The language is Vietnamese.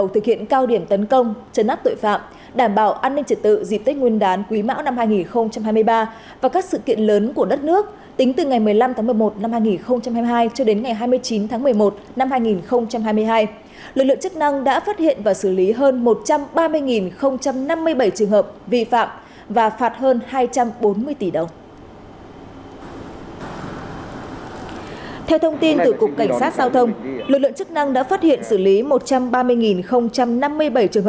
theo thông tin từ cục cảnh sát giao thông lực lượng chức năng đã phát hiện xử lý một trăm ba mươi năm mươi bảy trường hợp vi phạm trật tự an toàn giao thông